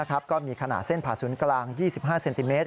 ก็มีขนาดเส้นผ่าศูนย์กลาง๒๕เซนติเมตร